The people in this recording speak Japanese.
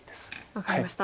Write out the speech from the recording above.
分かりました。